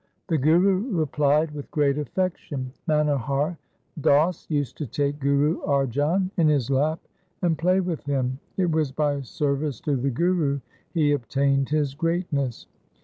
The Guru replied with great affection, ' Manohar Das used to take Guru Arjan in his lap and play with him. It was by service to the Guru he obtained his greatness.